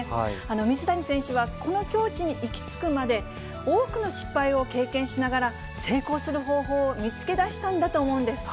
水谷選手はこの境地に行き着くまで、多くの失敗を経験しながら、成功する方法を見つけ出したんだと思うんです。